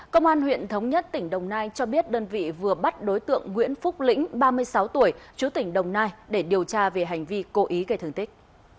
công an huyện thống nhất tỉnh đồng nai cho biết đơn vị vừa bắt đối tượng nguyễn phúc lĩnh ba mươi sáu tuổi chú tỉnh đồng nai để điều tra về hành vi cố ý gây thương tích